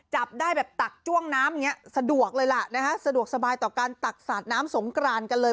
จับได้แบบตักจ้วงน้ำอย่างนี้สะดวกเลยล่ะนะฮะสะดวกสบายต่อการตักสาดน้ำสงกรานกันเลย